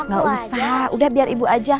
gak usah udah biar ibu aja